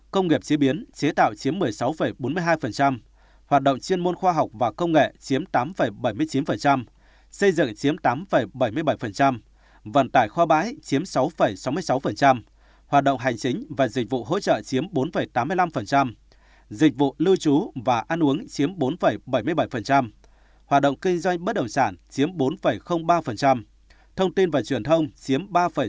công nghiệp chế biến chế tạo chiếm một mươi sáu bốn mươi hai hoạt động chuyên môn khoa học và công nghệ chiếm tám bảy mươi chín xây dựng chiếm tám bảy mươi bảy vận tải khoa bãi chiếm sáu sáu mươi sáu hoạt động hành chính và dịch vụ hỗ trợ chiếm bốn tám mươi năm dịch vụ lưu trú và ăn uống chiếm bốn bảy mươi bảy hoạt động kinh doanh bất đồng sản chiếm bốn ba thông tin và truyền thông chiếm ba sáu mươi chín